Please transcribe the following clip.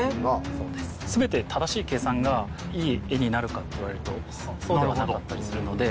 全て正しい計算がいい絵になるかっていわれるとそうではなかったりするので。